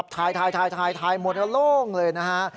ป้าบอกว่าก็คับทายหมดแล้วโล่งเลยนะฮะ